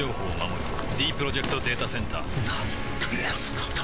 ディープロジェクト・データセンターなんてやつなんだ